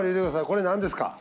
これ何ですか？